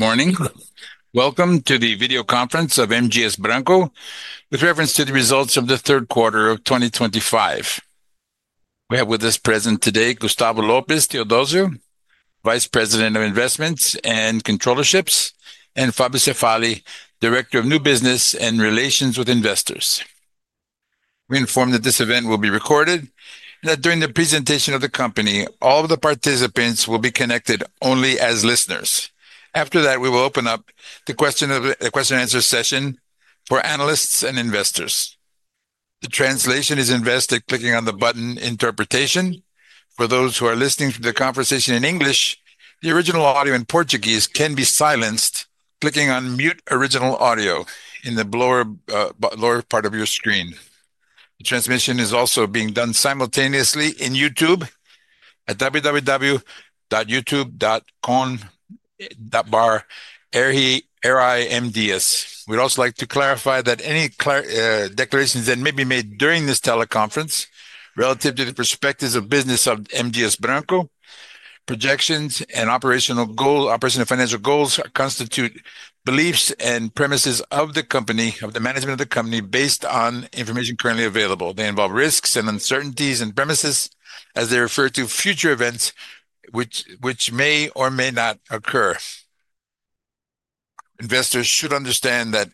Morning. Welcome to the Video Conference of M. Dias Branco with reference to the results of the Third quarter of 2025. We have with us present today Gustavo López Teodosio, Vice President of Investments and Controller, and Fabio Cefali, Director of New Business and Relations with Investors. We inform that this event will be recorded and that during the presentation of the company, all of the participants will be connected only as listeners. After that, we will open up the question and answer session for analysts and investors. The translation is in vest clicking on the button "Interpretation." For those who are listening to the conversation in English, the original audio in Portuguese can be silenced clicking on "Mute Original Audio" in the lower part of your screen. The transmission is also being done simultaneously in YouTube at www.youtube.com. We'd also like to clarify that any declarations that may be made during this teleconference relative to the perspectives of business of M. Dias Branco, projections and operational goals, operational and financial goals constitute beliefs and premises of the company, of the management of the company based on information currently available. They involve risks and uncertainties and premises as they refer to future events which may or may not occur. Investors should understand that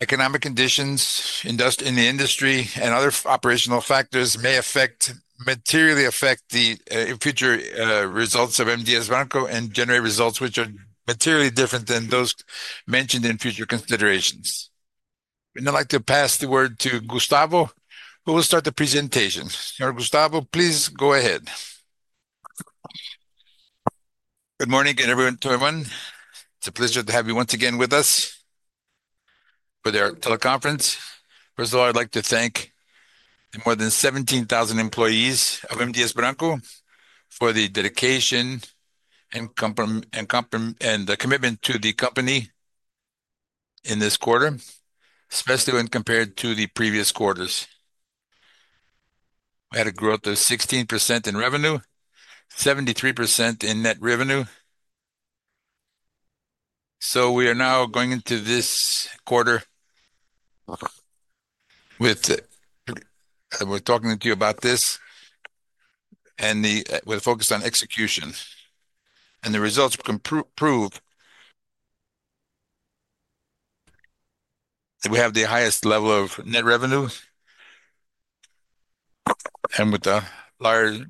economic conditions in the industry and other operational factors may materially affect the future results of M. Dias Branco and generate results which are materially different than those mentioned in future considerations. I'd now like to pass the word to Gustavo, who will start the presentation. Gustavo, please go ahead. Good morning, everyone. It's a pleasure to have you once again with us for the teleconference. First of all, I'd like to thank the more than 17,000 employees of M. Dias Branco for the dedication and the commitment to the company in this quarter, especially when compared to the previous quarters. We had a growth of 16% in revenue, 73% in net revenue. We are now going into this quarter with talking to you about this and with a focus on execution. The results prove that we have the highest level of net revenue and with a large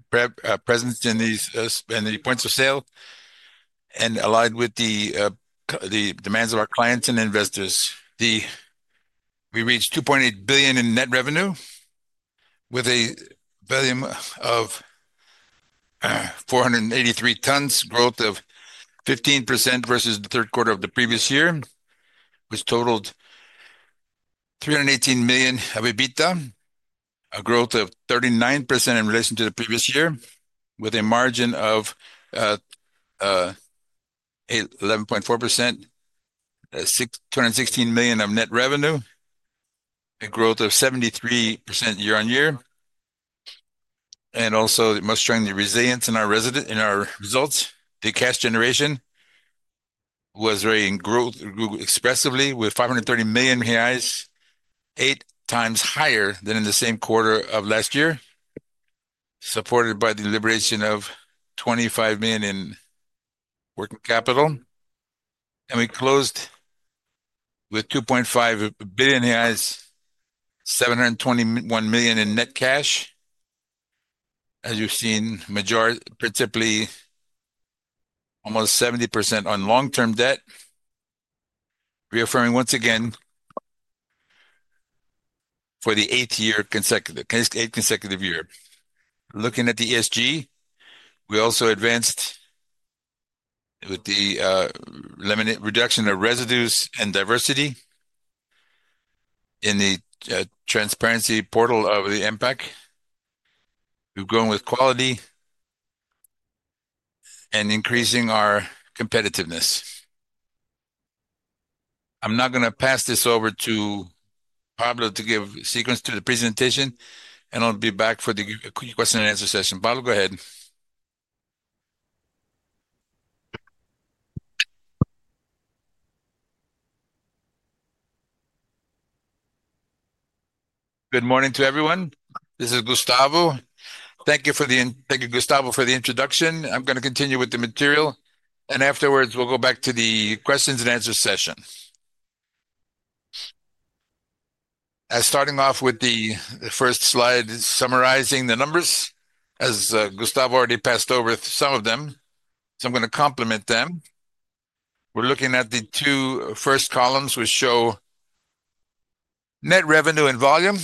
presence in the points of sale, and aligned with the demands of our clients and investors. We reached 2.8 billion in net revenue with a volume of 483 tons, growth of 15% versus the Third quarter of the previous year, which totaled 318 million of EBITDA, a growth of 39% in relation to the previous year, with a margin of 11.4%, 216 million of net revenue, a growth of 73% Year-on-Year. Most strongly, resilience in our results. The cash generation was very in growth expressively, with 530 million reais, eight times higher than in the same quarter of last year, supported by the liberation of 25 million in working capital. We closed with 2.5 billion reais, 721 million in net cash, as you've seen, principally almost 70% on long-term debt, reaffirming once again for the eighth consecutive year, eight consecutive years. Looking at the ESG, we also advanced with the reduction of residues and diversity in the transparency portal of the MPAC. We've grown with quality and increasing our competitiveness. I'm now going to pass this over to Fabio to give sequence to the presentation, and I'll be back for the question and answer session. Fabio, go ahead. Good morning to everyone. This is Gustavo. Thank you, Fabio, for the introduction. I'm going to continue with the material, and afterwards, we'll go back to the questions and answers session. Starting off with the first slide summarizing the numbers, as Gustavo already passed over some of them, so I'm going to complement them. We're looking at the two first columns, which show net revenue and volume.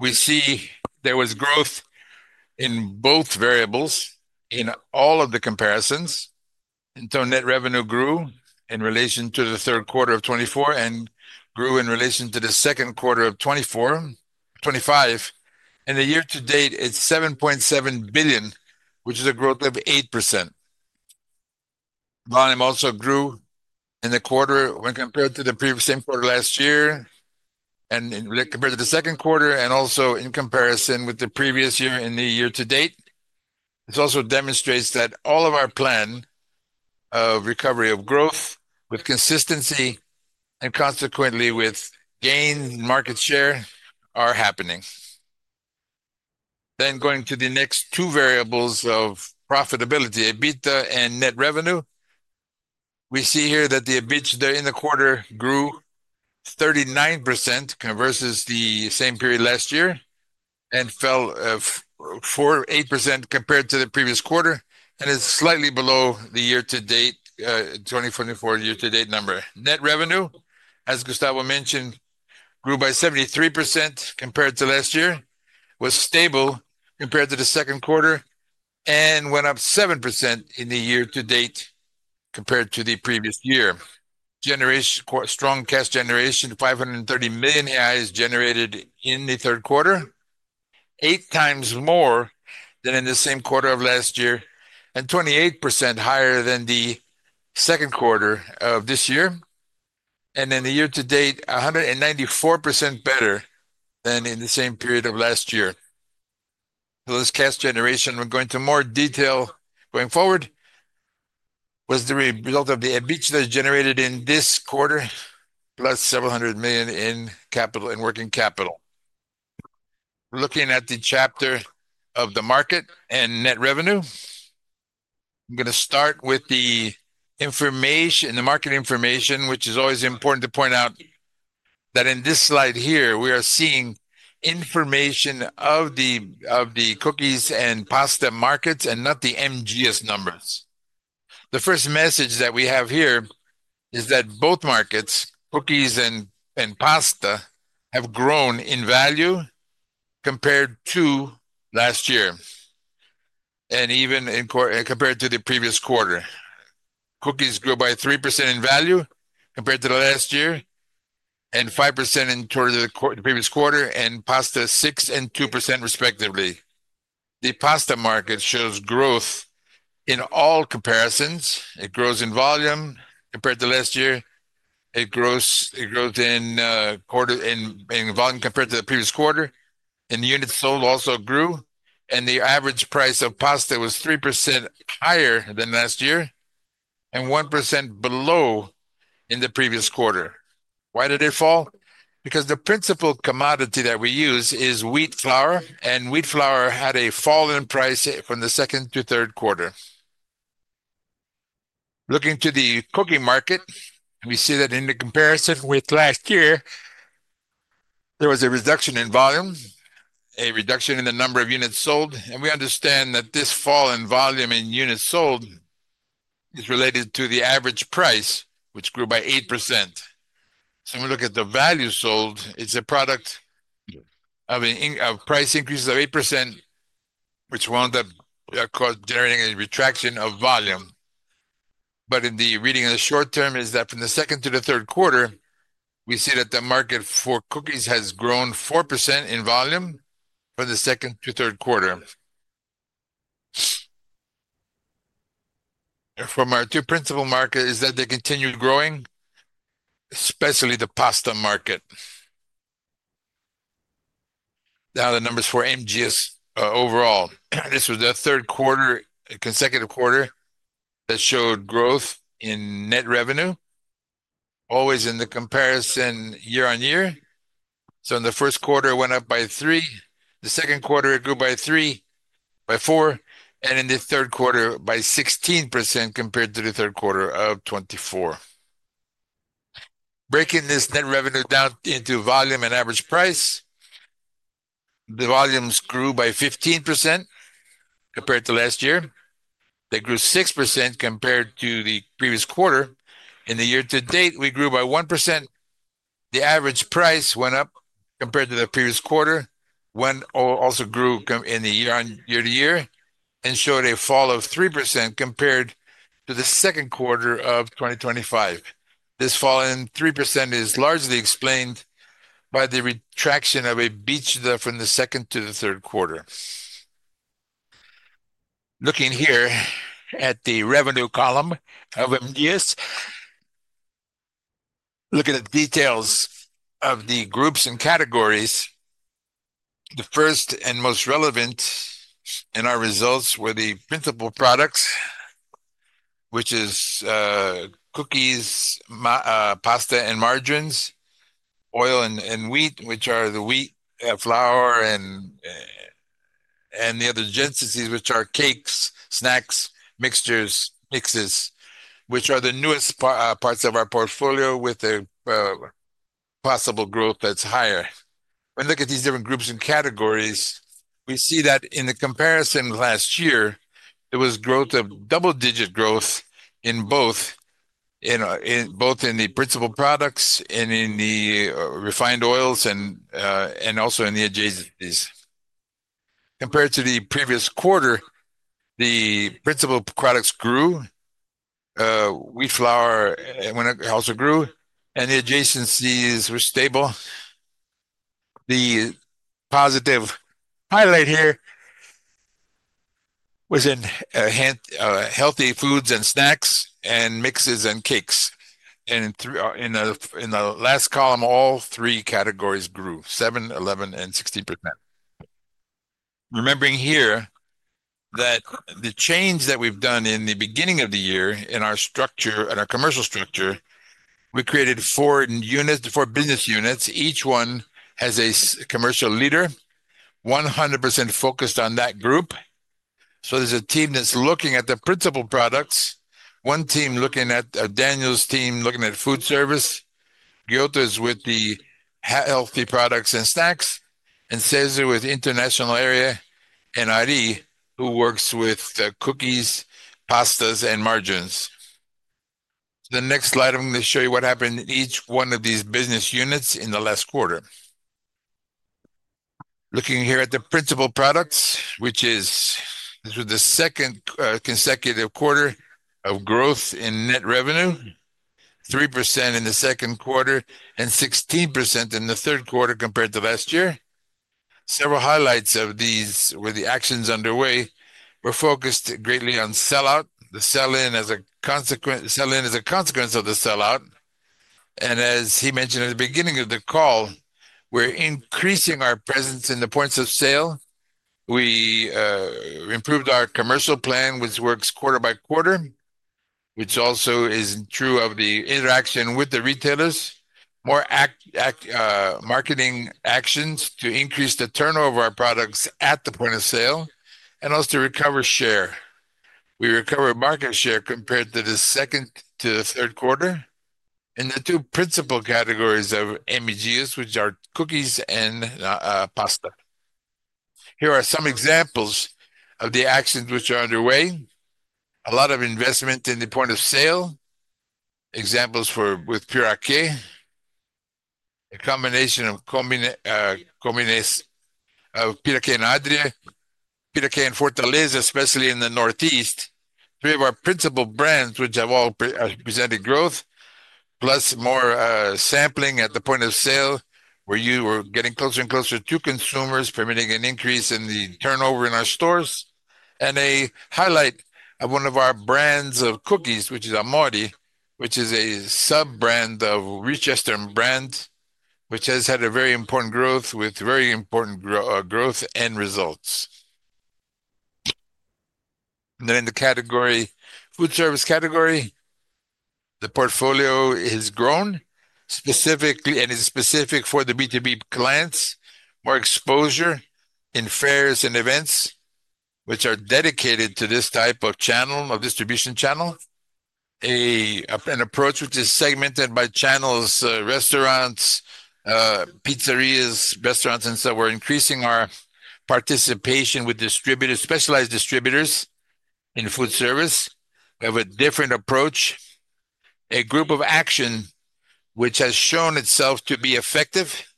We see there was growth in both variables in all of the comparisons. Net revenue grew in relation to the Third quarter of 2024 and grew in relation to the second quarter of 2025. The year to date, it is 7.7 billion, which is a growth of 8%. Volume also grew in the quarter when compared to the same quarter last year and compared to the second quarter, and also in comparison with the previous year and the year to date. This also demonstrates that all of our plan of recovery of growth with consistency and consequently with gain in market share are happening. Going to the next two variables of profitability, EBITDA and net revenue, we see here that the EBITDA in the quarter grew 39% versus the same period last year and fell 8% compared to the previous quarter, and it is slightly below the year to date, 2024 year to date number. Net revenue, as Gustavo mentioned, grew by 73% compared to last year, was stable compared to the second quarter, and went up 7% in the year to date compared to the previous year. Strong cash generation, 530 million generated in the Third quarter, eight times more than in the same quarter of last year, and 28% higher than the second quarter of this year. In the year to date, 194% better than in the same period of last year. This cash generation, we're going to more detail going forward, was the result of the EBITDA generated in this quarter, plus several hundred million in capital and working capital. Looking at the chapter of the market and net revenue, I'm going to start with the market information, which is always important to point out that in this slide here, we are seeing information of the cookies and pasta markets and not the M. Dias Branco numbers. The first message that we have here is that both markets, cookies and pasta, have grown in value compared to last year and even compared to the previous quarter. Cookies grew by 3% in value compared to the last year and 5% in the previous quarter, and pasta 6% and 2% respectively. The pasta market shows growth in all comparisons. It grows in volume compared to last year. It grows in volume compared to the previous quarter. Units sold also grew. The average price of pasta was 3% higher than last year and 1% below in the previous quarter. Why did it fall? Because the principal commodity that we use is wheat flour, and wheat flour had a fall in price from the second to Third quarter. Looking to the cookie market, we see that in the comparison with last year, there was a reduction in volume, a reduction in the number of units sold. We understand that this fall in volume in units sold is related to the average price, which grew by 8%. When we look at the value sold, it is a product of price increases of 8%, which wound up generating a retraction of volume. In the reading of the short term is that from the second to the Third quarter, we see that the market for cookies has grown 4% in volume from the second to Third quarter. From our two principal markets is that they continued growing, especially the pasta market. Now the numbers for M. Dias overall. This was the third consecutive quarter that showed growth in net revenue, always in the comparison Year-on-Year. In the first quarter, it went up by 3%. The second quarter, it grew by 4%, and in the Third quarter, by 16% compared to the Third quarter of 2024. Breaking this net revenue down into volume and average price, the volumes grew by 15% compared to last year. They grew 6% compared to the previous quarter. In the year to date, we grew by 1%. The average price went up compared to the previous quarter. One also grew in the Year-on-Year to year and showed a fall of 3% compared to the second quarter of 2025. This fall in 3% is largely explained by the retraction of EBITDA from the second to the Third quarter. Looking here at the revenue column of M. Dias Branco, looking at details of the groups and categories, the first and most relevant in our results were the principal products, which are cookies, pasta and margins, oil and wheat, which are the wheat flour, and the other adjacencies, which are cakes, snacks, mixtures, mixes, which are the newest parts of our portfolio with a possible growth that's higher. When we look at these different groups and categories, we see that in the comparison last year, there was double-digit growth in both in the principal products and in the refined oils and also in the adjacencies. Compared to the previous quarter, the principal products grew. Wheat flour also grew, and the adjacencies were stable. The positive highlight here was in healthy foods and snacks and mixes and cakes. In the last column, all three categories grew 7%, 11%, and 16%. Remembering here that the change that we've done in the beginning of the year in our structure, in our commercial structure, we created four units, four business units. Each one has a commercial leader, 100% focused on that group. There's a team that's looking at the principal products, one team looking at Daniel's team, looking at food service. Giotto is with the healthy products and snacks, and Cesar with international area and ID, who works with cookies, pasta, and margins. The next slide, I'm going to show you what happened in each one of these business units in the last quarter. Looking here at the principal products, which is this was the second consecutive quarter of growth in net revenue, 3% in the second quarter and 16% in the Third quarter compared to last year. Several highlights of these with the actions underway were focused greatly on sell-out, the sell-in as a consequence of the sell-out. As he mentioned at the beginning of the call, we are increasing our presence in the points of sale. We improved our commercial plan, which works quarter by quarter, which also is true of the interaction with the retailers, more marketing actions to increase the turnover of our products at the point of sale, and also recover share. We recovered market share compared to the second to the Third quarter in the two principal categories of M. Dias Branco, which are cookies and pasta. Here are some examples of the actions which are underway. A lot of investment in the point of sale, examples with Piraqué, a combination of Piraqué and Adria, Piraqué and Fortaleza, especially in the Northeast, three of our principal brands which have all presented growth, plus more sampling at the point of sale where you were getting closer and closer to consumers, permitting an increase in the turnover in our stores. A highlight of one of our brands of cookies, which is Amodi, which is a sub-brand of Rechester, which has had very important growth and results. In the food service category, the portfolio has grown specifically and is specific for the B2B clients, more exposure in fairs and events which are dedicated to this type of distribution channel. An approach which is segmented by channels, restaurants, pizzerias, restaurants, and so we're increasing our participation with specialized distributors in food service. We have a different approach, a group of action which has shown itself to be effective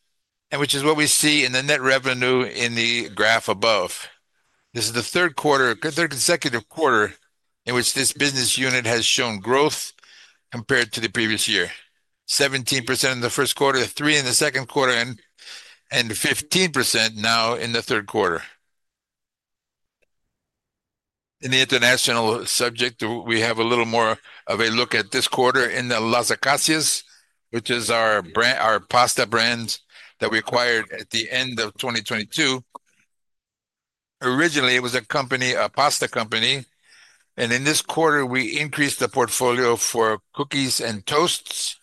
and which is what we see in the net revenue in the graph above. This is the Third quarter, third consecutive quarter in which this business unit has shown growth compared to the previous year, 17% in the first quarter, 3% in the second quarter, and 15% now in the Third quarter. In the international subject, we have a little more of a look at this quarter in the Las Acacias, which is our pasta brand that we acquired at the end of 2022. Originally, it was a company, a pasta company. In this quarter, we increased the portfolio for cookies and toasts,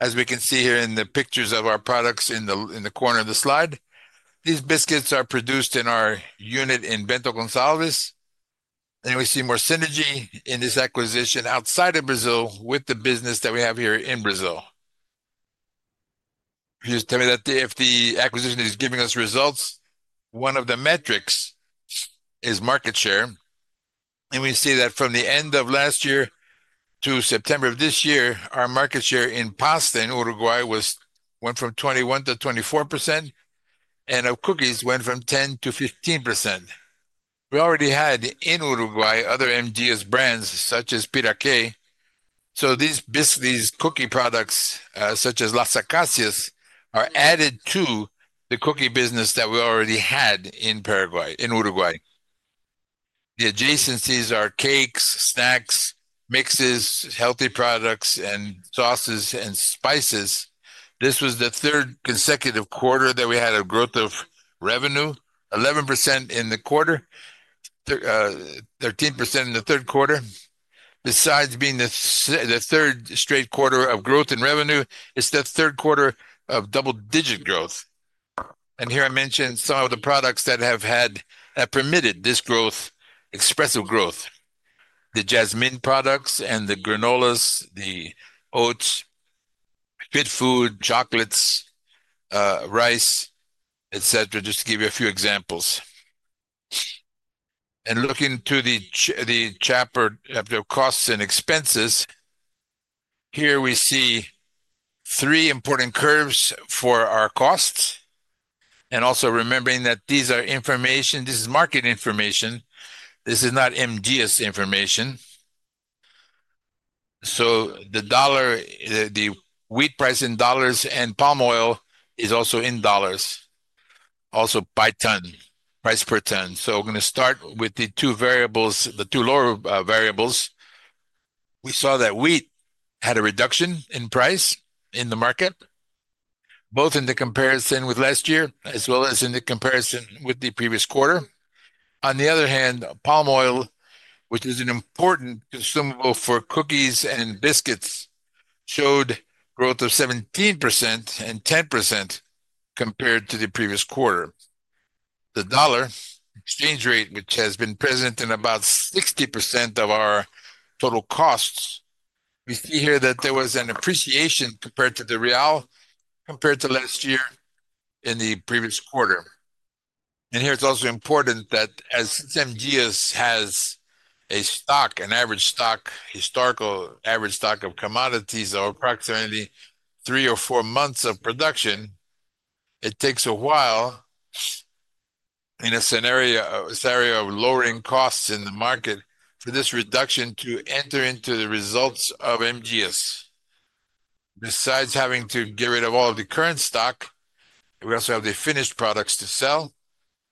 as we can see here in the pictures of our products in the corner of the slide. These biscuits are produced in our unit in Bento Gonçalves. We see more synergy in this acquisition outside of Brazil with the business that we have here in Brazil. Just tell me that if the acquisition is giving us results, one of the metrics is market share. We see that from the end of last year to September of this year, our market share in pasta in Uruguay went from 21% to 24%, and of cookies went from 10% to 15%. We already had in Uruguay other M. Dias Branco brands such as Piraqué. These cookie products such as Las Acacias are added to the cookie business that we already had in Uruguay. The adjacencies are cakes, snacks, mixes, healthy products, and sauces and spices. This was the third consecutive quarter that we had a growth of revenue, 11% in the quarter, 13% in the Third quarter. Besides being the third straight quarter of growth in revenue, it's the Third quarter of double-digit growth. Here I mentioned some of the products that have permitted this growth, expressive growth, the Jasmine products and the granolas, the oats, Fit Food, chocolates, rice, etc., just to give you a few examples. Looking to the chapter of costs and expenses, here we see three important curves for our costs. Also remembering that these are information, this is market information. This is not M. Dias Branco information. The wheat price in dollars and palm oil is also in dollars, also by ton, price per ton. We're going to start with the two variables, the two lower variables. We saw that wheat had a reduction in price in the market, both in the comparison with last year as well as in the comparison with the previous quarter. On the other hand, palm oil, which is an important consumable for cookies and biscuits, showed growth of 17% and 10% compared to the previous quarter. The dollar exchange rate, which has been present in about 60% of our total costs, we see here that there was an appreciation compared to the real compared to last year in the previous quarter. Here it's also important that as. M. Dias has a stock, an average stock, historical average stock of commodities of approximately three or four months of production, it takes a while in a scenario of lowering costs in the market for this reduction to enter into the results of M. Dias Branco. Besides having to get rid of all of the current stock, we also have the finished products to sell.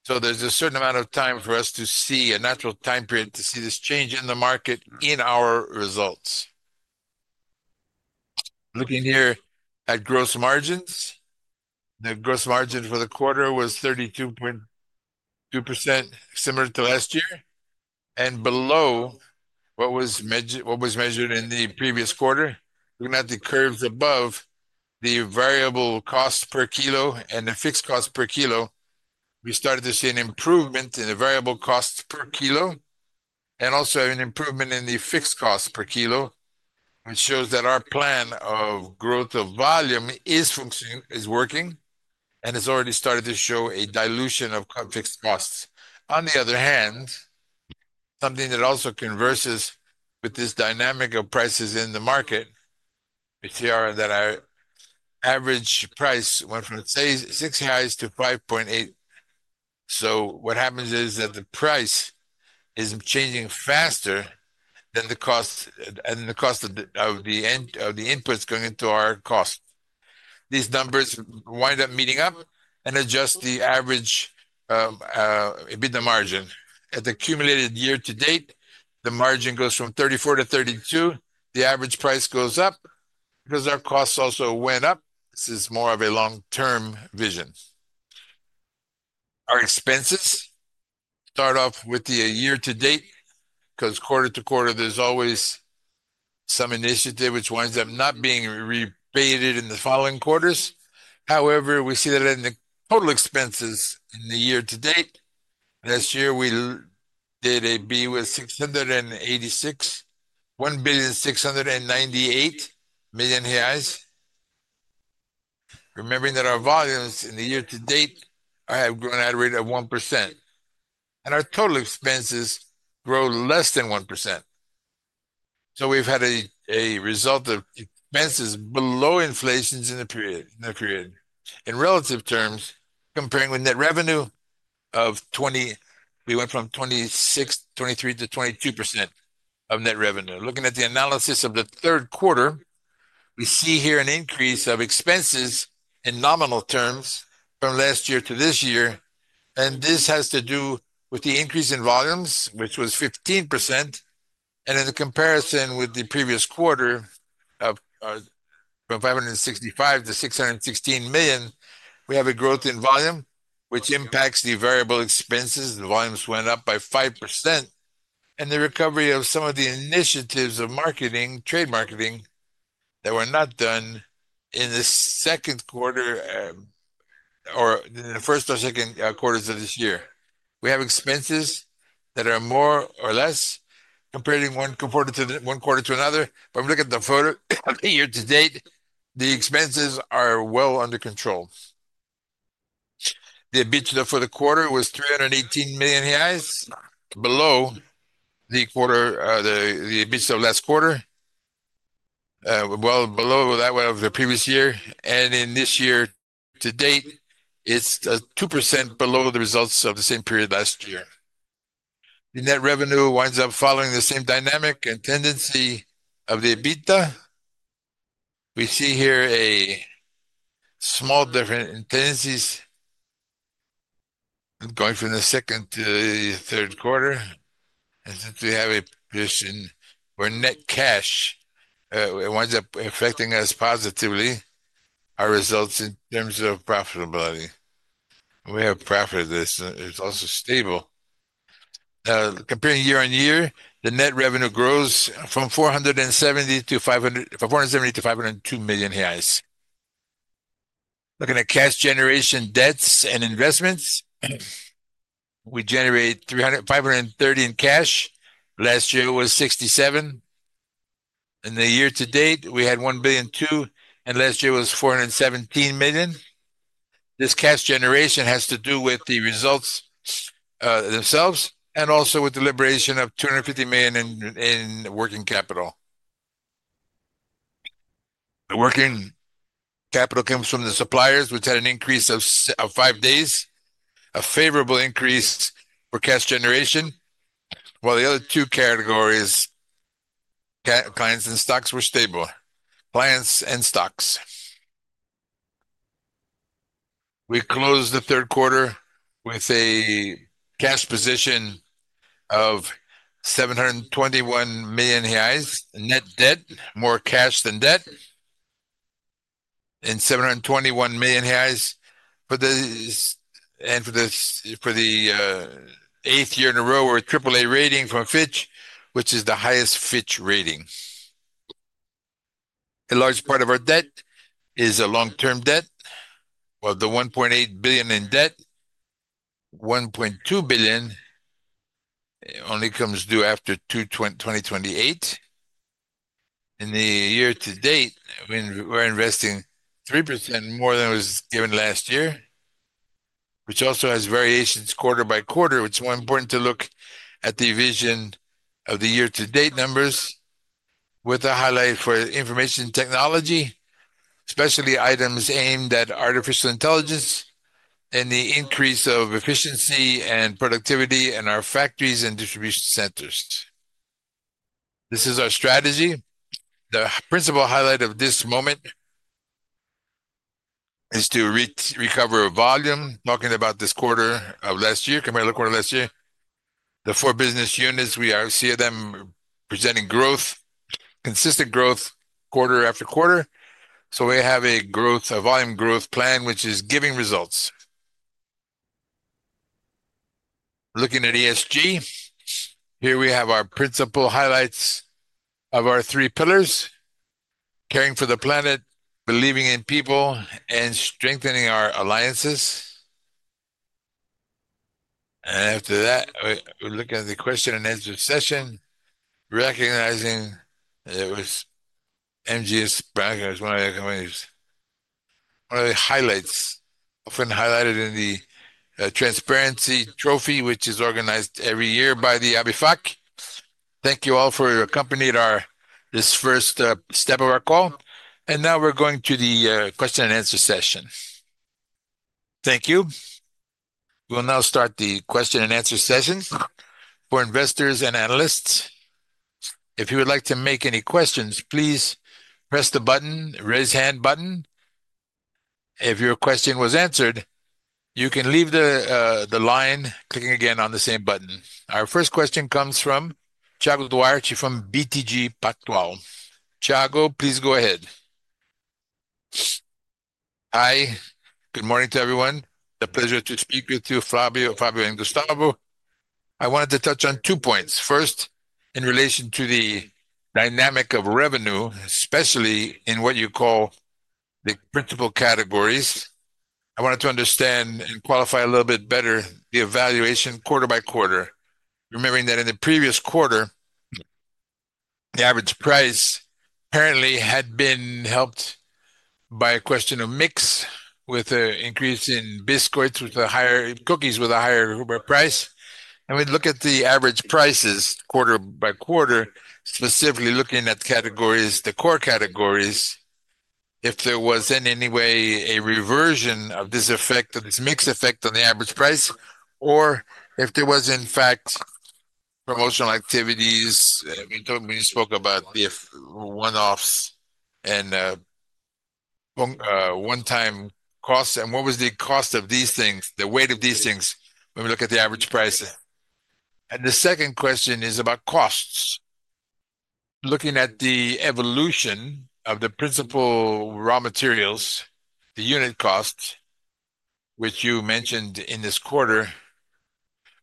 There is a certain amount of time for us to see a natural time period to see this change in the market in our results. Looking here at gross margins, the gross margin for the quarter was 32.2%, similar to last year, and below what was measured in the previous quarter. Looking at the curves above, the variable cost per kilo and the fixed cost per kilo, we started to see an improvement in the variable cost per kilo and also an improvement in the fixed cost per kilo, which shows that our plan of growth of volume is working and has already started to show a dilution of fixed costs. On the other hand, something that also converses with this dynamic of prices in the market, we see that our average price went from 6.5 to 5.8. What happens is that the price is changing faster than the cost of the inputs going into our cost. These numbers wind up meeting up and adjust the average EBITDA margin. At the cumulated year to date, the margin goes from 34% to 32%. The average price goes up because our costs also went up. This is more of a long-term vision. Our expenses start off with the year to date because quarter to quarter, there's always some initiative which winds up not being rebated in the following quarters. However, we see that in the total expenses in the year to date. Last year, we did a B with 1,698,000,000 reais. Remembering that our volumes in the year to date have grown at a rate of 1%, and our total expenses grow less than 1%. So we've had a result of expenses below inflation in the period. In relative terms, comparing with net revenue of 2020, we went from 26%, 23% to 22% of net revenue. Looking at the analysis of the Third quarter, we see here an increase of expenses in nominal terms from last year to this year. This has to do with the increase in volumes, which was 15%. In the comparison with the previous quarter of 565 million to 616 million, we have a growth in volume, which impacts the variable expenses. The volumes went up by 5%. The recovery of some of the initiatives of marketing, trade marketing that were not done in the second quarter or in the first or second quarters of this year. We have expenses that are more or less compared to one quarter to another. If we look at the photo of the year to date, the expenses are well under control. The EBITDA for the quarter was 318 million reais, below the EBITDA of last quarter, well below that one of the previous year. In this year to date, it is 2% below the results of the same period last year. The net revenue winds up following the same dynamic and tendency of the EBITDA. We see here a small difference in tendencies going from the second to the Third quarter. Since we have a position where net cash winds up affecting us positively, our results in terms of profitability. We have profitability that is also stable. Comparing Year-on-Year, the net revenue grows from 470 million to 500 million, 470 million to 502 million reais. Looking at cash generation, debts, and investments, we generate 530 million in cash. Last year was 67 million. In the year to date, we had 1,002 million, and last year was 417 million. This cash generation has to do with the results themselves and also with the liberation of 250 million in working capital. The working capital comes from the suppliers, which had an increase of five days, a favorable increase for cash generation, while the other two categories, clients and stocks, were stable. Clients and stocks. We closed the Third quarter with a cash position of 721,000,000 reais, net debt, more cash than debt, and 721,000,000 reais. For the eighth year in a row, we're AAA rating from Fitch, which is the highest Fitch rating. A large part of our debt is a long-term debt. The 1.8 billion in debt, 1.2 billion only comes due after 2028. In the year to date, we're investing 3% more than was given last year, which also has variations quarter by quarter, which is more important to look at the vision of the year to date numbers with a highlight for information technology, especially items aimed at artificial intelligence and the increase of efficiency and productivity in our factories and distribution centers, this is our strategy. The principal highlight of this moment is to recover volume. Talking about this quarter of last year, compared to the quarter of last year, the four business units, we see them presenting growth, consistent growth quarter after quarter. We have a growth, a volume growth plan, which is giving results. Looking at ESG, here we have our principal highlights of our three pillars: caring for the planet, believing in people, and strengthening our alliances. After that, we're looking at the question and answer session, recognizing that M. Dias Branco is one of the companies, one of the highlights, often highlighted in the Transparency Trophy, which is organized every year by Abifac. Thank you all for accompanying this first step of our call. Now we're going to the question and answer session. Thank you. We'll now start the question and answer session for investors and analysts. If you would like to make any questions, please press the button, raise hand button. If your question was answered, you can leave the line clicking again on the same button. Our first question comes from Thiago Duarte from BTG Pactual. Thiago, please go ahead. Hi, good morning to everyone. It's a pleasure to speak with you, Fabio, Fabio and Gustavo. I wanted to touch on two points. First, in relation to the dynamic of revenue, especially in what you call the principal categories, I wanted to understand and qualify a little bit better the evaluation quarter by quarter, remembering that in the previous quarter, the average price apparently had been helped by a question of mix with an increase in biscuits, with the higher cookies, with a higher price. We look at the average prices quarter by quarter, specifically looking at categories, the core categories, if there was in any way a reversion of this effect, of this mix effect on the average price, or if there was, in fact, promotional activities. We spoke about the one-offs and one-time costs. What was the cost of these things, the weight of these things when we look at the average price? The second question is about costs. Looking at the evolution of the principal raw materials, the unit cost, which you mentioned in this quarter,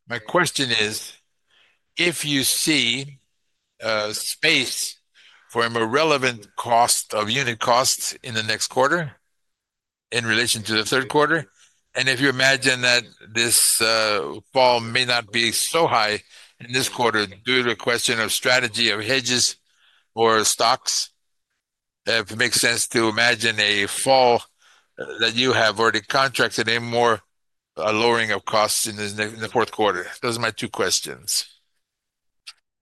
my question is, if you see a space for a more relevant cost of unit costs in the next quarter in relation to the Third quarter, and if you imagine that this fall may not be so high in this quarter due to a question of strategy of hedges or stocks, if it makes sense to imagine a fall that you have already contracted a more lowering of costs in the fourth quarter. Those are my two questions.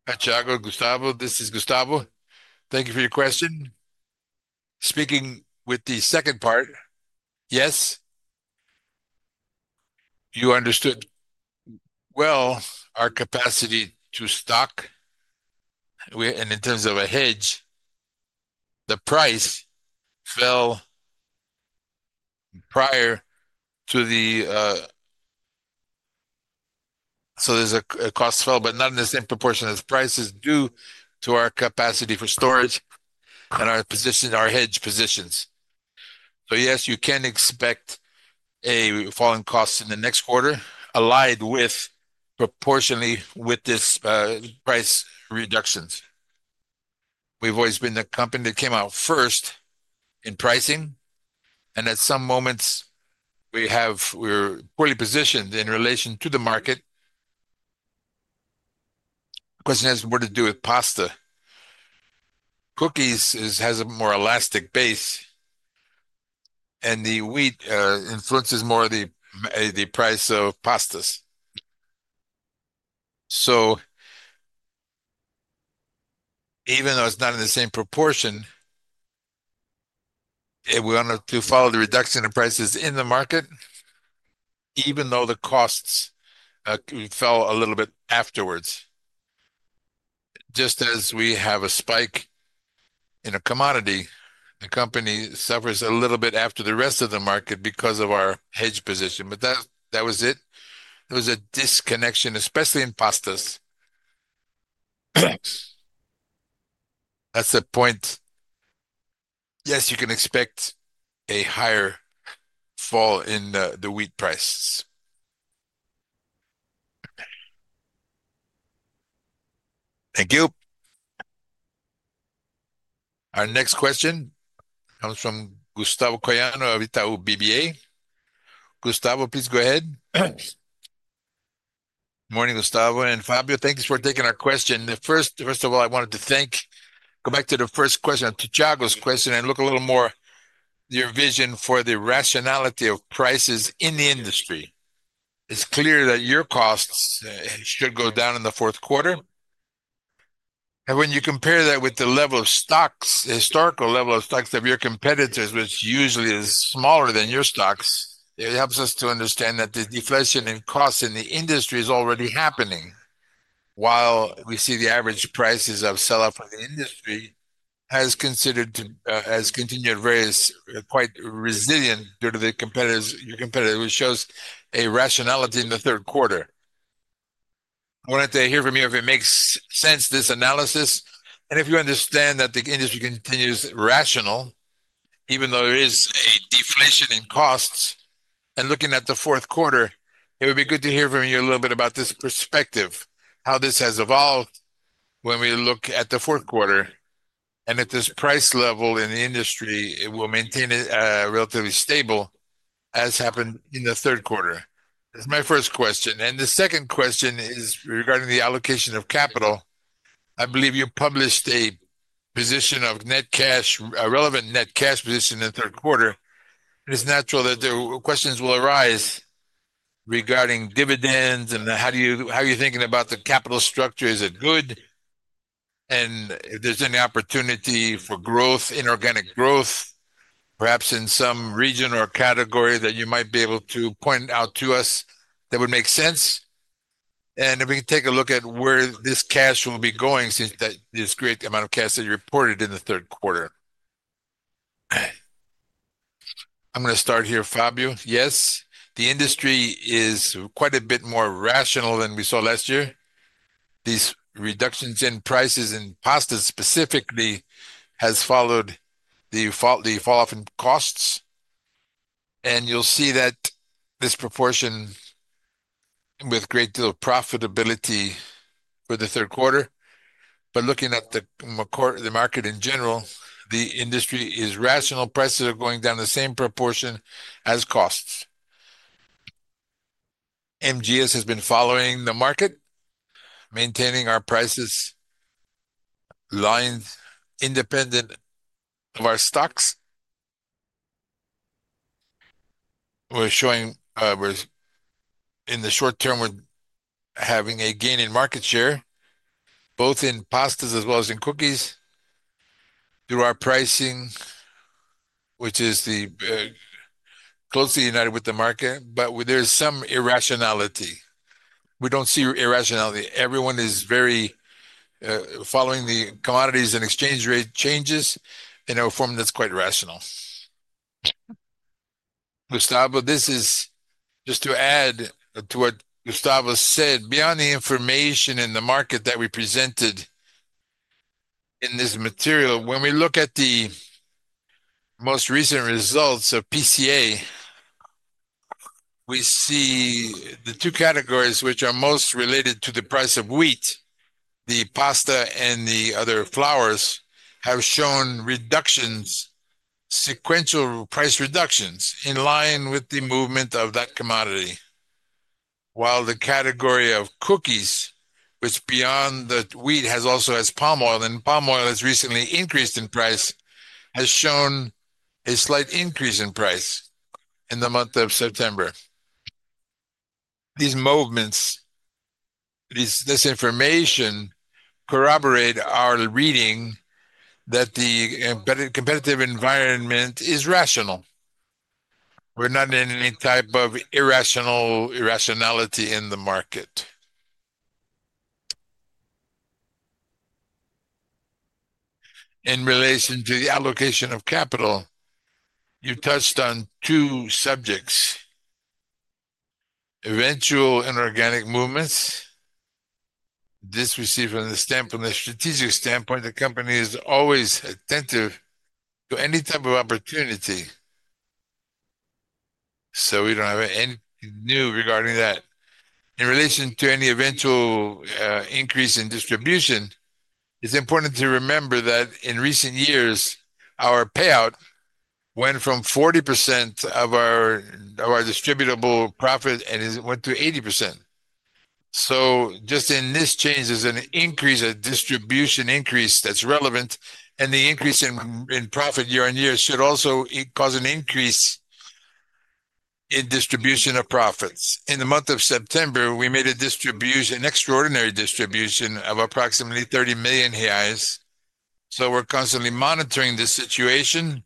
Thanks, Thiago, Gustavo. This is Gustavo. Thank you for your question. Speaking with the second part, yes, you understood well our capacity to stock, and in terms of a hedge, the price fell prior to the, so there's a cost fall, but not in the same proportion as prices due to our capacity for storage and our position, our hedge positions. Yes, you can expect a fall in costs in the next quarter, allied with proportionally with these price reductions. We've always been the company that came out first in pricing, and at some moments, we're poorly positioned in relation to the market. The question is, what to do with pasta? Cookies has a more elastic base, and the wheat influences more the price of pastas. Even though it's not in the same proportion, we wanted to follow the reduction of prices in the market, even though the costs fell a little bit afterwards. Just as we have a spike in a commodity, the company suffers a little bit after the rest of the market because of our hedge position. That was it. There was a disconnection, especially in pastas. That is the point. Yes, you can expect a higher fall in the wheat prices. Thank you. Our next question comes from Gustavo Trojanu of Itaú BBA. Gustavo, please go ahead. Morning, Gustavo. And Fabio, thank you for taking our question. First of all, I wanted to thank, go back to the first question, to Thiago's question, and look a little more at your vision for the rationality of prices in the industry. It is clear that your costs should go down in the fourth quarter. When you compare that with the level of stocks, the historical level of stocks of your competitors, which usually is smaller than your stocks, it helps us to understand that the deflation in costs in the industry is already happening, while we see the average prices of selloff in the industry has continued to vary quite resilient due to your competitors, which shows a rationality in the Third quarter. I wanted to hear from you if it makes sense, this analysis, and if you understand that the industry continues rational, even though there is a deflation in costs. Looking at the fourth quarter, it would be good to hear from you a little bit about this perspective, how this has evolved when we look at the fourth quarter, and if this price level in the industry will maintain it relatively stable as happened in the Third quarter. That's my first question. The second question is regarding the allocation of capital. I believe you published a position of net cash, a relevant net cash position in the Third quarter. It's natural that the questions will arise regarding dividends and how you're thinking about the capital structure. Is it good? If there's any opportunity for growth, inorganic growth, perhaps in some region or category that you might be able to point out to us that would make sense, and if we can take a look at where this cash will be going since that this great amount of cash that you reported in the Third quarter. I'm going to start here, Fabio. Yes, the industry is quite a bit more rational than we saw last year. These reductions in prices in pastas specifically have followed the falloff in costs. You will see that this proportion with great deal of profitability for the Third quarter. Looking at the market in general, the industry is rational. Prices are going down the same proportion as costs. M. Dias Branco has been following the market, maintaining our price lines independent of our stocks. We are showing in the short term, we are having a gain in market share, both in pasta as well as in cookies through our pricing, which is closely united with the market. There is some irrationality. We do not see irrationality. Everyone is very following the commodities and exchange rate changes in a form that is quite rational. Gustavo, this is just to add to what Gustavo said. Beyond the information in the market that we presented in this material, when we look at the most recent results of PCA, we see the two categories which are most related to the price of wheat, the pasta and the other flours, have shown reductions, sequential price reductions in line with the movement of that commodity. While the category of cookies, which beyond the wheat also has palm oil, and palm oil has recently increased in price, has shown a slight increase in price in the month of September. These movements, this information corroborates our reading that the competitive environment is rational. We're not in any type of irrational, irrationality in the market. In relation to the allocation of capital, you touched on two subjects: eventual inorganic movements. This we see from the standpoint, the strategic standpoint, the company is always attentive to any type of opportunity. We do not have anything new regarding that. In relation to any eventual increase in distribution, it is important to remember that in recent years, our payout went from 40% of our distributable profit and it went to 80%. Just in this change, there is a distribution increase that is relevant, and the increase in profit Year-on-Year should also cause an increase in distribution of profits. In the month of September, we made a distribution, an extraordinary distribution of approximately 30 million reais. We are constantly monitoring this situation,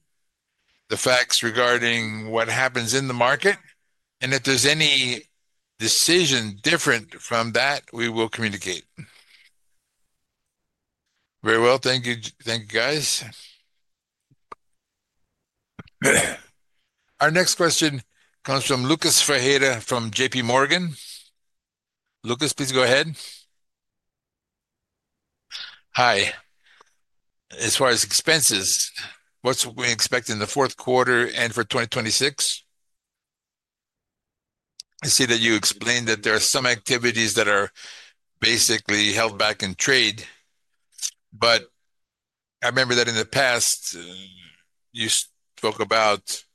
the facts regarding what happens in the market. If there is any decision different from that, we will communicate. Thank you, guys. Our next question comes from Lucas Fajeta from J.P. Morgan. Lucas, please go ahead. Hi. As far as expenses, what do we expect in the fourth quarter and for 2026? I see that you explained that there are some activities that are basically held back in trade. I remember that in the past, you spoke about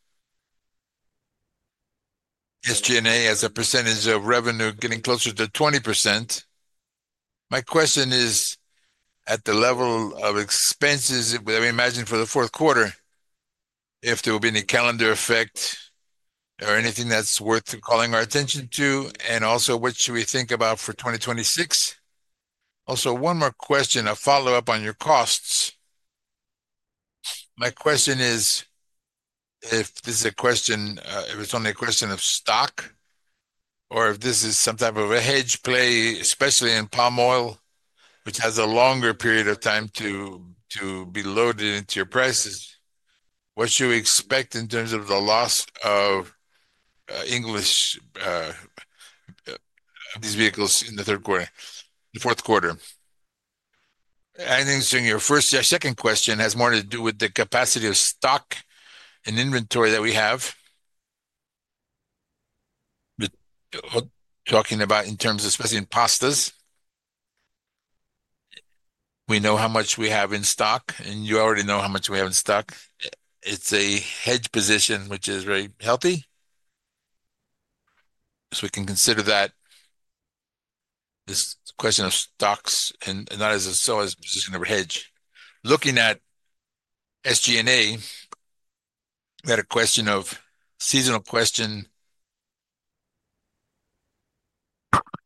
SG&A as a percentage of revenue getting closer to 20%. My question is, at the level of expenses, we imagine for the fourth quarter, if there will be any calendar effect or anything that's worth calling our attention to, and also what should we think about for 2026? Also, one more question, a follow-up on your costs. My question is, if this is a question, if it's only a question of stock, or if this is some type of a hedge play, especially in palm oil, which has a longer period of time to be loaded into your prices, what should we expect in terms of the loss of English vehicles in the Third quarter, the fourth quarter? I think your first, your second question has more to do with the capacity of stock and inventory that we have. Talking about in terms of, especially in pastas, we know how much we have in stock, and you already know how much we have in stock. It's a hedge position, which is very healthy. So we can consider that this question of stocks and not as a sell as position of a hedge. Looking at SG&A, we had a question of seasonal question.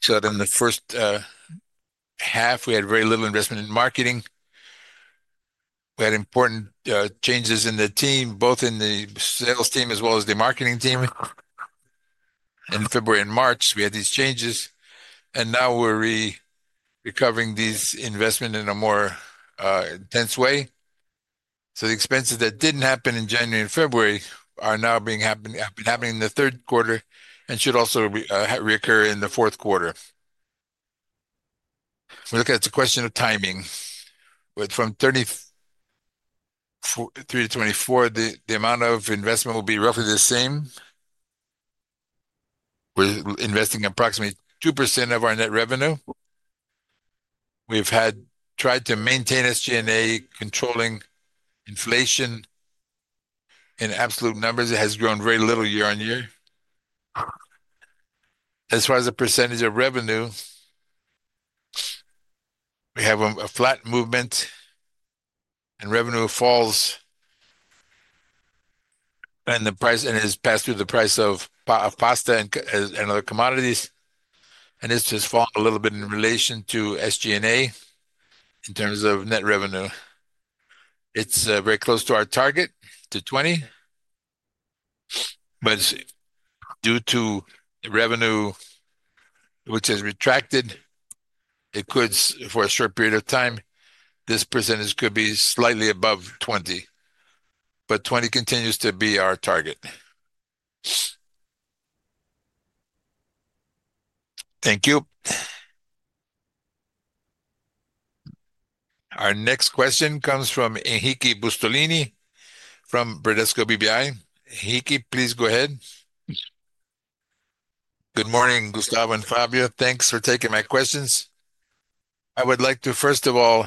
In the first half, we had very little investment in marketing. We had important changes in the team, both in the sales team as well as the marketing team. In February and March, we had these changes. Now we're recovering these investments in a more intense way. The expenses that did not happen in January and February are now happening in the Third quarter and should also reoccur in the fourth quarter. We look at the question of timing. From 2023 to 2024, the amount of investment will be roughly the same. We are investing approximately 2% of our net revenue. We have tried to maintain SG&A controlling inflation in absolute numbers. It has grown very little Year-on-Year. As far as the percentage of revenue, we have a flat movement, and revenue falls and is passed through the price of pasta and other commodities. It has just fallen a little bit in relation to SG&A in terms of net revenue. It is very close to our target, to 20. However, due to revenue, which has retracted, it could, for a short period of time, this percentage could be slightly above 20%. 20 continues to be our target. Thank you. Our next question comes from Henrique Brustolin from Bradesco BBI. Enrique, please go ahead. Good morning, Gustavo and Fabio. Thanks for taking my questions. I would like to, first of all,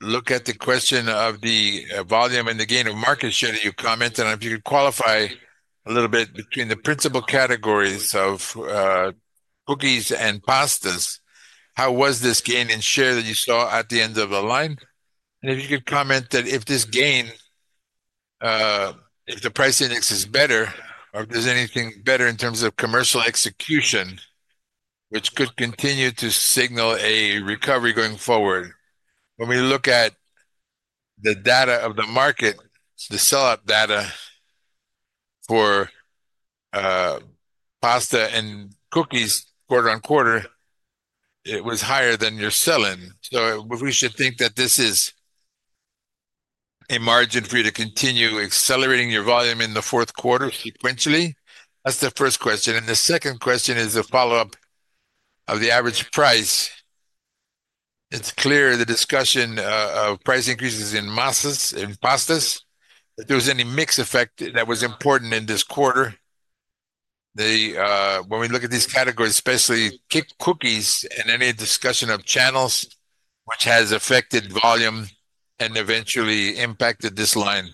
look at the question of the volume and the gain of market share that you commented on. If you could qualify a little bit between the principal categories of cookies and pastas, how was this gain in share that you saw at the end of the line? If you could comment that if this gain, if the price index is better, or if there's anything better in terms of commercial execution, which could continue to signal a recovery going forward. When we look at the data of the market, the sell-out data for pasta and cookies quarter on quarter, it was higher than your sell-in. We should think that this is a margin for you to continue accelerating your volume in the fourth quarter sequentially. That's the first question. The second question is a follow-up of the average price. It's clear the discussion of price increases in pasta, if there was any mix effect that was important in this quarter. When we look at these categories, especially cookies, and any discussion of channels, which has affected volume and eventually impacted this line.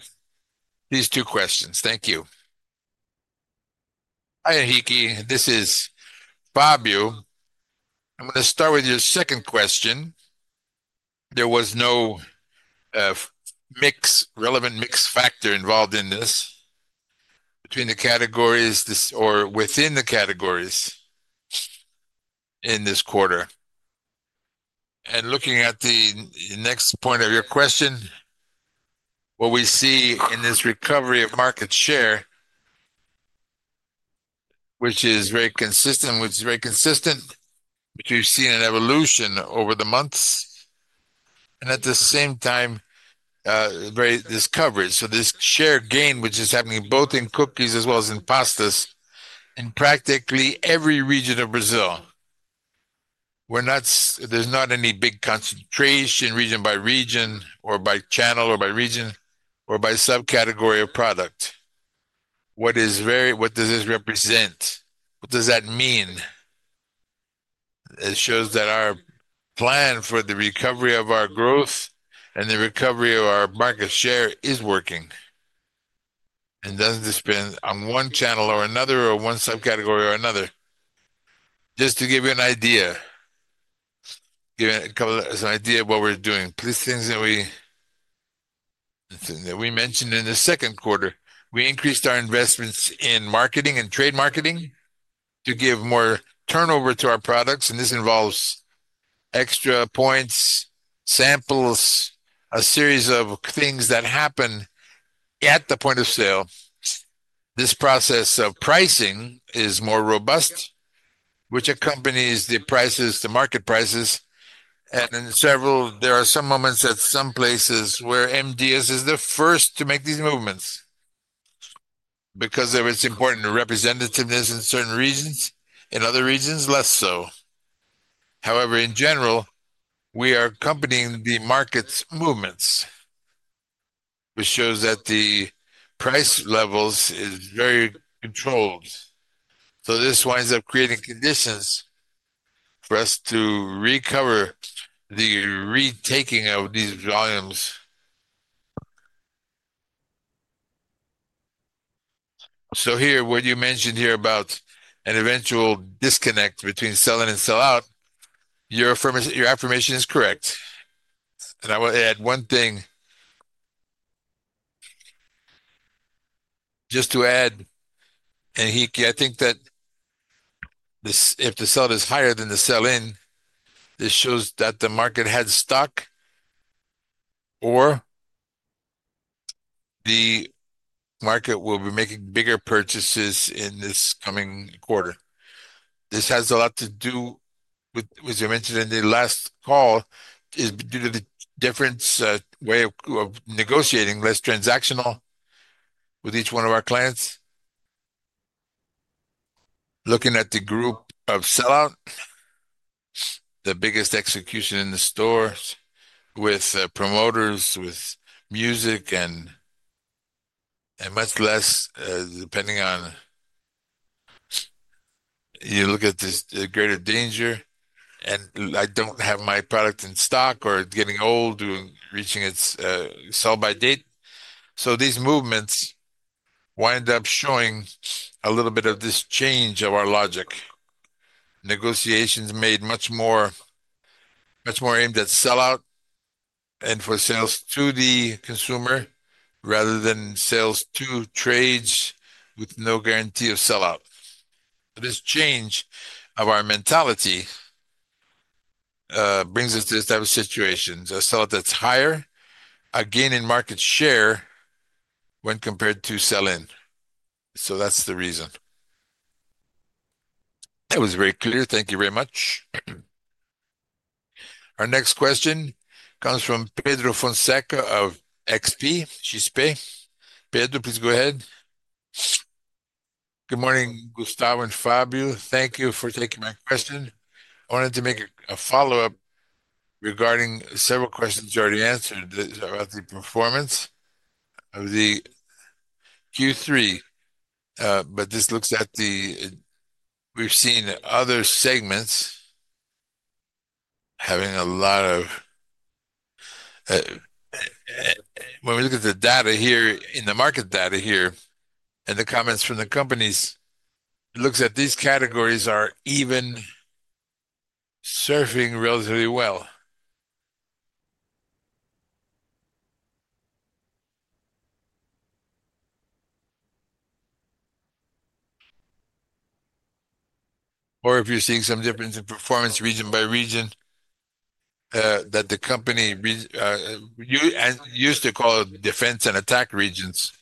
These two questions. Thank you. Hi, Enrique. This is Fabio. I'm going to start with your second question. There was no relevant mix factor involved in this between the categories or within the categories in this quarter. Looking at the next point of your question, what we see in this recovery of market share, which is very consistent, which we've seen an evolution over the months. At the same time, this coverage. This share gain, which is happening both in cookies as well as in pasta, in practically every region of Brazil. There is not any big concentration region by region or by channel or by region or by subcategory of product. What does this represent? What does that mean? It shows that our plan for the recovery of our growth and the recovery of our market share is working and does not depend on one channel or another or one subcategory or another. Just to give you an idea, give you an idea of what we are doing. These things that we mentioned in the second quarter, we increased our investments in marketing and trade marketing to give more turnover to our products. This involves extra points, samples, a series of things that happen at the point of sale. This process of pricing is more robust, which accompanies the market prices. There are some moments at some places where M. Dias Branco is the first to make these movements because of its important representativeness in certain regions. In other regions, less so. However, in general, we are companying the market's movements, which shows that the price levels is very controlled. This winds up creating conditions for us to recover the retaking of these volumes. What you mentioned here about an eventual disconnect between sell-in and sell-out, your affirmation is correct. I will add one thing. Just to add, Enrique, I think that if the sell-out is higher than the sell-in, this shows that the market has stock or the market will be making bigger purchases in this coming quarter. This has a lot to do with what you mentioned in the last call, is due to the different way of negotiating, less transactional with each one of our clients. Looking at the group of sell-out, the biggest execution in the store with promoters, with music, and much less depending on you look at the greater danger. I do not have my product in stock or it is getting old or reaching its sell-by date. These movements wind up showing a little bit of this change of our logic. Negotiations made much more aimed at sell-out and for sales to the consumer rather than sales to trades with no guarantee of sell-out. This change of our mentality brings us to this type of situation. A sell-out that is higher, a gain in market share when compared to sell-in. That is the reason. That was very clear. Thank you very much. Our next question comes from Pedro Fonseca of XP, XP. Pedro, please go ahead. Good morning, Gustavo and Fabio. Thank you for taking my question. I wanted to make a follow-up regarding several questions you already answered about the performance of the Q3. This looks at the we've seen other segments having a lot of when we look at the data here in the market data here and the comments from the companies, it looks that these categories are even surfing relatively well. Are you seeing some difference in performance region by region that the company used to call defense and attack regions?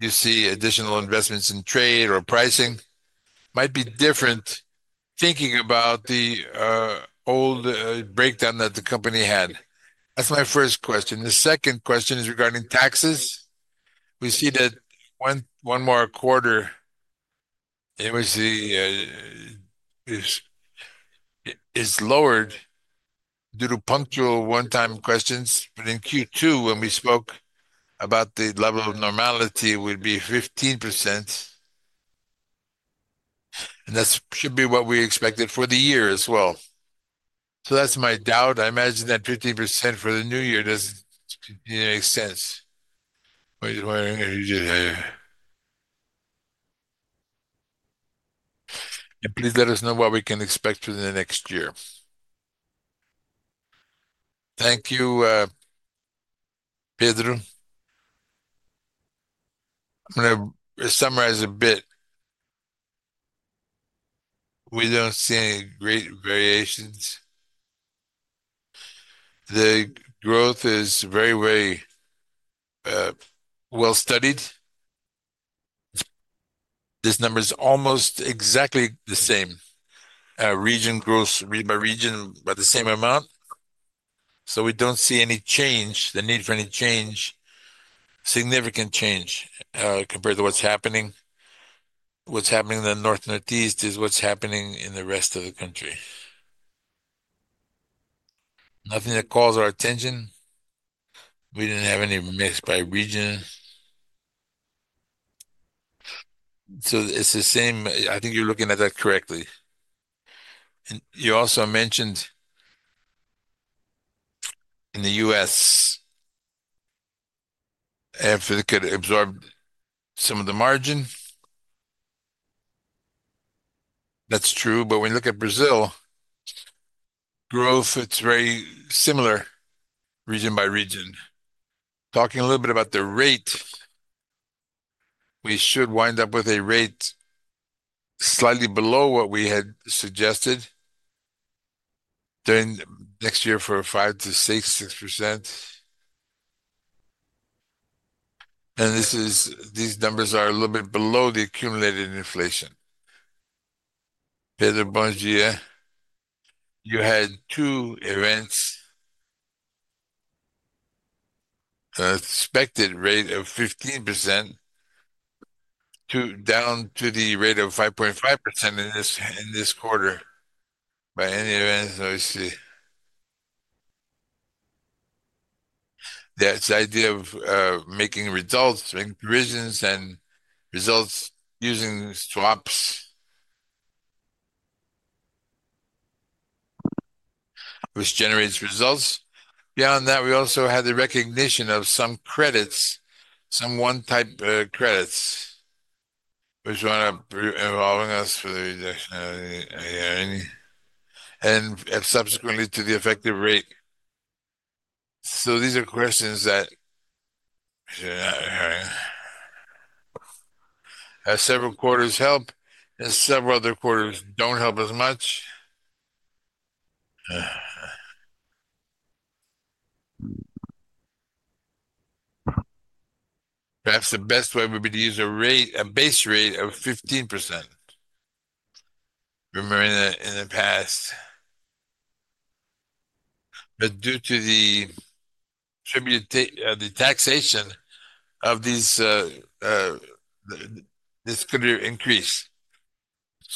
Do you see additional investments in trade or pricing might be different thinking about the old breakdown that the company had? That's my first question. The second question is regarding taxes. We see that one more quarter, it was lowered due to punctual one-time questions. In Q2, when we spoke about the level of normality, it would be 15%. That should be what we expected for the year as well. That's my doubt. I imagine that 15% for the new year doesn't make sense. Please let us know what we can expect for the next year. Thank you, Pedro. I'm going to summarize a bit. We don't see any great variations. The growth is very, very well studied. This number is almost exactly the same. Region grows region by region by the same amount. We don't see any change, the need for any change, significant change compared to what's happening. What's happening in the North-northeast is what's happening in the rest of the country. Nothing that calls our attention. We didn't have any mix by region. It's the same. I think you're looking at that correctly. You also mentioned in the U.S., Africa absorbed some of the margin. That's true. When you look at Brazil, growth is very similar region by region. Talking a little bit about the rate, we should wind up with a rate slightly below what we had suggested during next year for 5-6%. These numbers are a little bit below the accumulated inflation. Pedro Bongia, you had two events. Expected rate of 15% down to the rate of 5.5% in this quarter by any event. That's the idea of making results, making provisions and results using swaps, which generates results. Beyond that, we also had the recognition of some credits, some one-type credits, which are involving us for the rejection of the hearing. Subsequently to the effective rate. These are questions that several quarters help and several other quarters do not help as much. Perhaps the best way would be to use a base rate of 15%. Remembering that in the past, but due to the taxation of this could increase.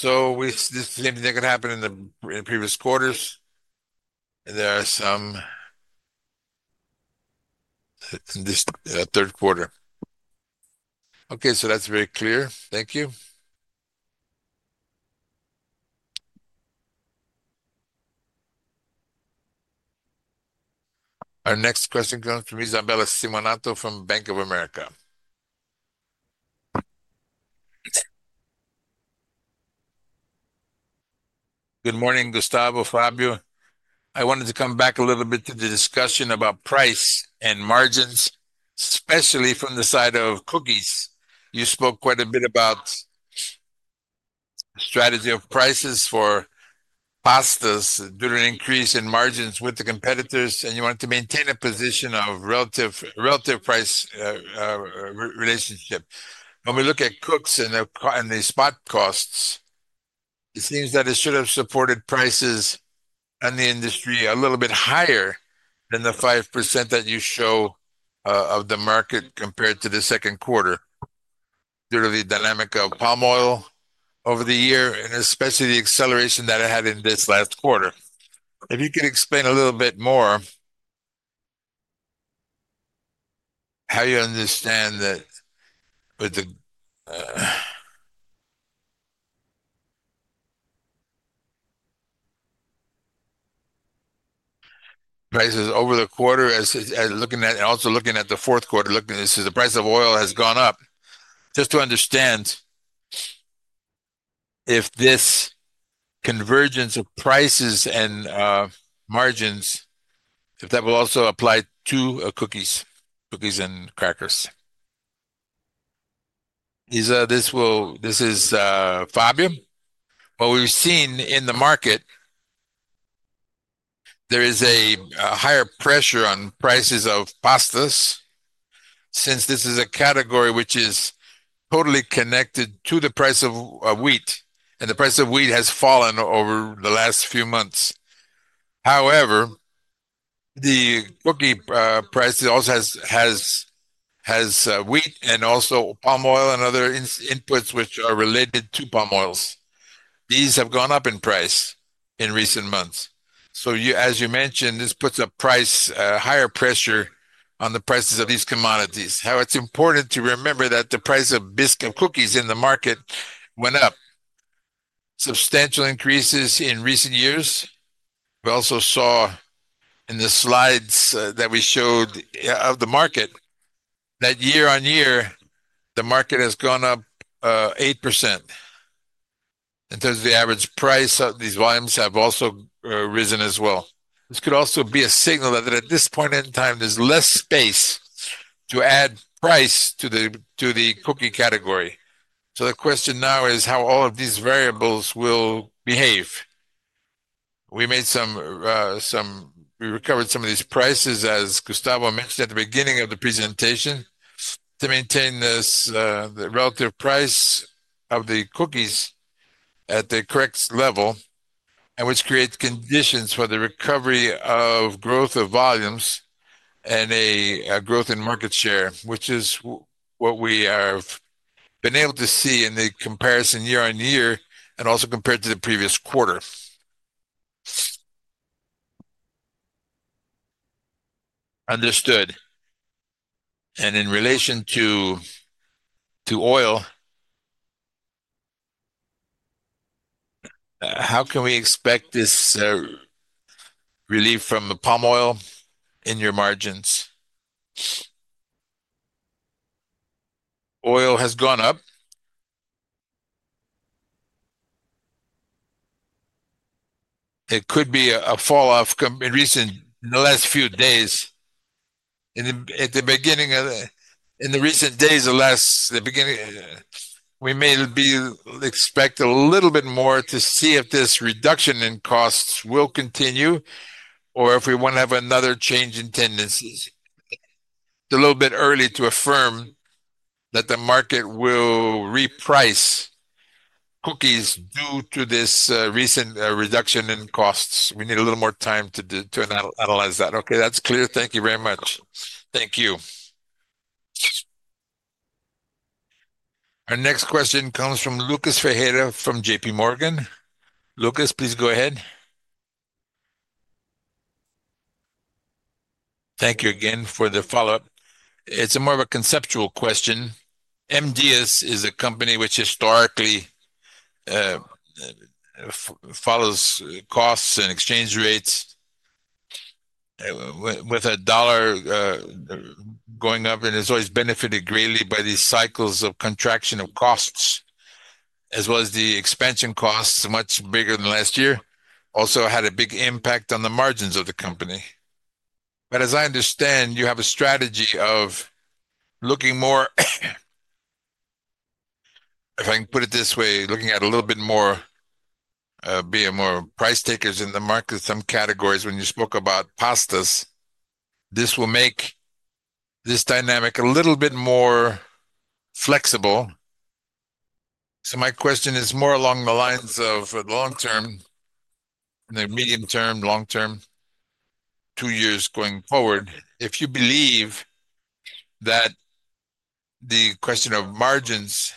This is the same thing that could happen in the previous quarters. There are some in this Third quarter. Okay, that's very clear. Thank you. Our next question comes from Isabella Simonato from Bank of America. Good morning, Gustavo, Fabio. I wanted to come back a little bit to the discussion about Price and Margins, especially from the side of cookies. You spoke quite a bit about the strategy of prices for pastas due to an increase in margins with the competitors, and you wanted to maintain a position of relative price relationship. When we look at cookies and the spot costs, it seems that it should have supported prices in the industry a little bit higher than the 5% that you show of the market compared to the second quarter due to the dynamic of palm oil over the year, and especially the acceleration that it had in this last quarter. If you could explain a little bit more how you understand that with the prices over the quarter, looking at and also looking at the fourth quarter, looking at the price of oil has gone up. Just to understand if this convergence of prices and margins, if that will also apply to cookies and crackers. This is Fabio. what we've seen in the market, there is a higher pressure on prices of pasta since this is a category which is totally connected to the price of wheat, and the price of wheat has fallen over the last few months. However, the cookie price also has wheat and also palm oil and other inputs which are related to palm oil. These have gone up in price in recent months. As you mentioned, this puts a higher pressure on the prices of these commodities. It's important to remember that the price of biscuits and cookies in the market went up. Substantial increases in recent years. We also saw in the slides that we showed of the market that Year-on-Year, the market has gone up 8%. In terms of the average price, these volumes have also risen as well. This could also be a signal that at this point in time, there's less space to add price to the cookie category. The question now is how all of these variables will behave. We recovered some of these prices, as Gustavo mentioned at the beginning of the presentation, to maintain the relative price of the cookies at the correct level, which creates conditions for the recovery of growth of volumes and a growth in market share, which is what we have been able to see in the comparison Year-on-Year and also compared to the previous quarter. Understood. In relation to oil, how can we expect this relief from the palm oil in your margins? Oil has gone up. It could be a falloff in recent, in the last few days. In the beginning, in the recent days, the beginning, we may be expect a little bit more to see if this reduction in costs will continue or if we want to have another change in Tendencies. It's a little bit early to affirm that the market will reprice cookies due to this recent reduction in costs. We need a little more time to analyze that. Okay, that's clear. Thank you very much. Thank you. Our next question comes from Lucas Ferreira from J.P. Morgan. Lucas, please go ahead. Thank you again for the follow-up. It's more of a conceptual question. M. Dias is a company which historically follows costs and exchange rates with a dollar going up and has always benefited greatly by these cycles of contraction of costs, as well as the expansion costs, much bigger than last year. Also had a big impact on the margins of the company. As I understand, you have a strategy of looking more, if I can put it this way, looking at a little bit more being more price takers in the market, some categories when you spoke about pastas. This will make this dynamic a little bit more flexible. My question is more along the lines of the long term, the medium term, long term, two years going forward. If you believe that the question of margins,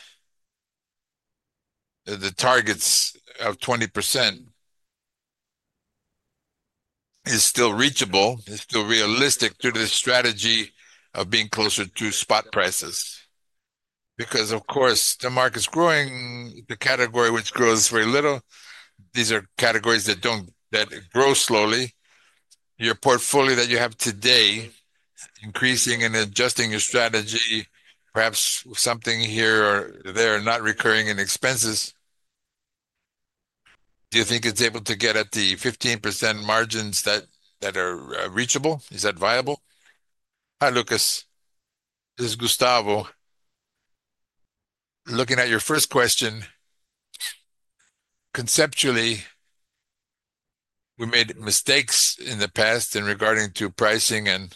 the targets of 20% is still reachable, is still realistic through the strategy of being closer to spot prices. Because, of course, the market's growing, the category which grows very little. These are categories that grow slowly. Your portfolio that you have today, increasing and adjusting your strategy, perhaps something here or there not recurring in expenses. Do you think it's able to get at the 15% margins that are reachable? Is that viable? Hi, Lucas. This is Gustavo. Looking at your first question, conceptually, we made mistakes in the past regarding pricing and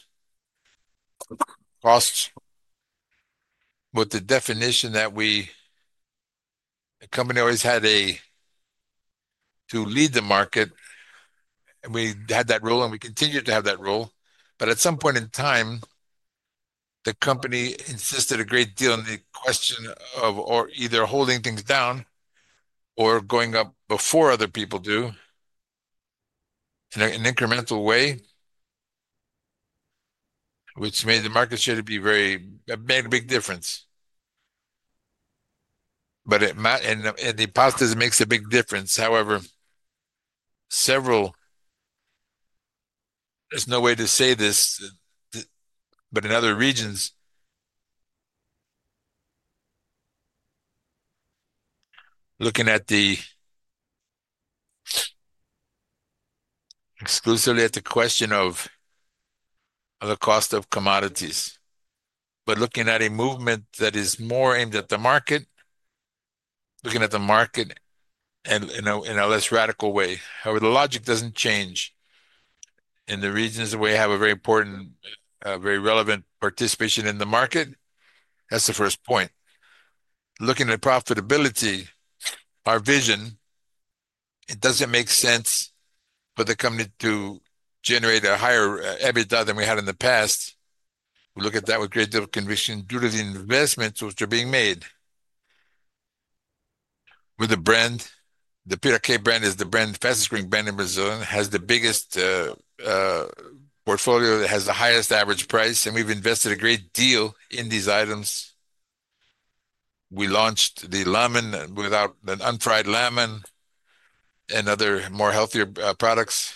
costs with the definition that we, the company, always had to lead the market. We had that role and we continue to have that role. At some point in time, the company insisted a great deal on the question of either holding things down or going up before other people do in an incremental way, which made the market share to be a very big difference. In the past, it makes a big difference. However, there is no way to say this, but in other regions, looking exclusively at the question of the cost of commodities, but looking at a movement that is more aimed at the market, looking at the market in a less radical way. However, the logic does not change in the regions where we have a very important, very relevant participation in the market. That is the first point. Looking at profitability, our vision, it does not make sense for the company to generate a higher EBITDA than we had in the past. We look at that with great deal of conviction due to the investments which are being made. With the brand, the Piraqué brand is the brand, fastest growing brand in Brazil, has the biggest portfolio, has the highest average price, and we have invested a great deal in these items. We launched the lemon, without an unfried lemon, and other more healthier products.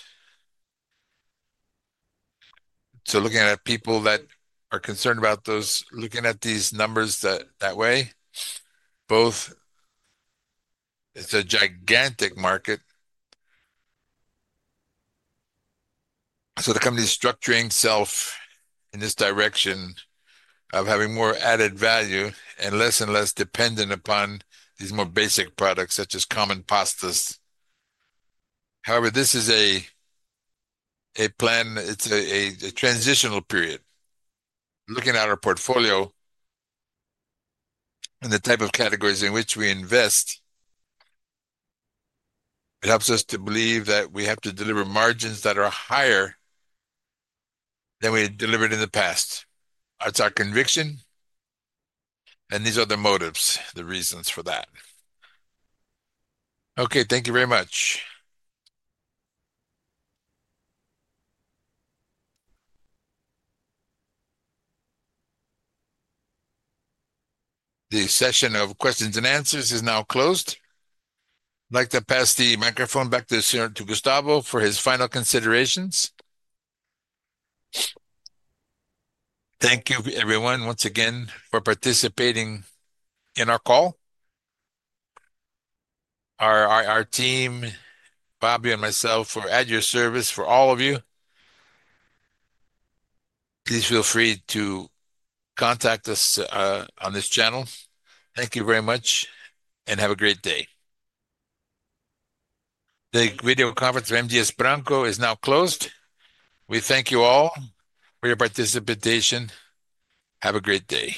Looking at people that are concerned about those, looking at these numbers that way, both, it is a gigantic market. The company is structuring itself in this direction of having more added value and less and less dependent upon these more basic products such as common pastas. However, this is a plan. It is a transitional period. Looking at our portfolio and the type of categories in which we invest, it helps us to believe that we have to deliver margins that are higher than we delivered in the past. That is our conviction and these are the motives, the reasons for that. Okay, thank you very much. The session of questions and answers is now closed. I would like to pass the microphone back to Gustavo for his final considerations. Thank you, everyone, once again, for participating in our call. Our team, Fabio and myself, are at your service for all of you. Please feel free to contact us on this channel. Thank you very much and have a great day. The Video Conference of M. Dias Branco is now closed. We thank you all for your participation. Have a great day.